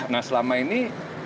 nah selama ini